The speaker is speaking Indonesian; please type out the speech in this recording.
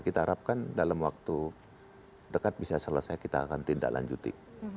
kita harapkan dalam waktu dekat bisa selesai kita akan tindak lanjuti